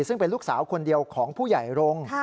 ซึ่งเป็นลูกสาวคนเดียวของผู้ใหญ่รงค์